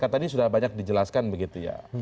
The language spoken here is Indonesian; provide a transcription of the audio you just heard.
karena tadi sudah banyak dijelaskan begitu ya